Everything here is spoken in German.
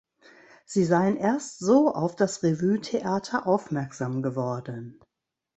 Sie seien erst so auf das Revuetheater aufmerksam geworden.